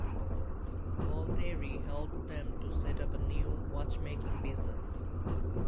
Voltaire helped them to set up a new watchmaking business.